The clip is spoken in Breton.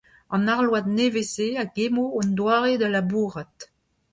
An arload nevez-se a gemmo hon doare da labourat.